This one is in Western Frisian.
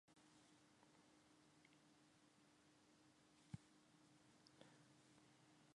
Ik bin grutbrocht yn in hele boel rûmte en frijheid en kreativiteit.